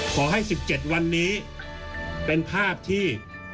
ขอให้๑๗วันนี้เป็นภาพที่